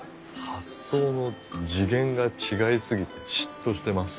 発想の次元が違いすぎて嫉妬してます。